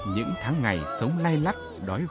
những tháng ngày sống lay lắt đói khói